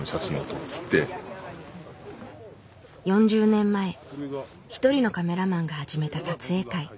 ４０年前一人のカメラマンが始めた撮影会。